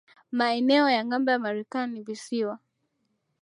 Maeneo ya ngambo ya Marekani ni visiwa